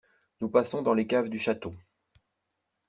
Nous passons dans les caves du chateau.